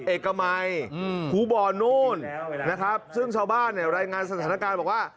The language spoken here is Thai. เอกมัยหูบ่อนนู่นซึ่งชาวบ้านในรายงานสถานการณ์บอกว่า